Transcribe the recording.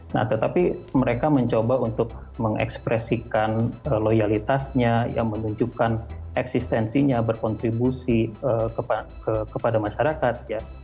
nah tetapi mereka mencoba untuk mengekspresikan loyalitasnya yang menunjukkan eksistensinya berkontribusi kepada masyarakat ya